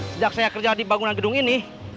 sejak saya kerja di bangunan gedung ini